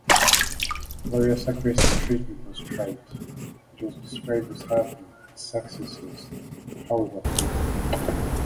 Various aggressive treatment was tried; it was described as having "its successes, however fleeting".